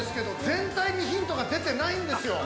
全体にヒントが出てないんですよ。